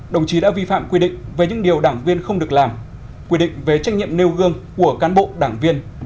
đồng chí đã vi phạm quy định về những điều đảng viên không được làm quy định về trách nhiệm nêu gương của cán bộ đảng viên